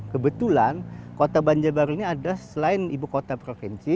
kebetulan kota banjarbaru ini ada selain ibu kota provinsi